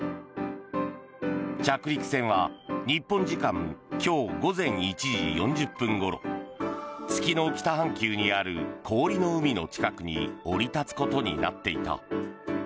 着陸船は日本時間今日午前１時４０分ごろ月の北半球にある氷の海の近くに降り立つことになっていた。